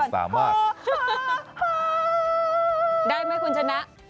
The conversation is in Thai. ได้มั้ยคุณชนะ